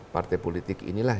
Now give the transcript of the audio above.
partai politik inilah